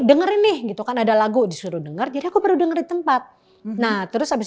dengerin nih gitu kan ada lagu disuruh denger jadi aku baru denger di tempat nah terus habis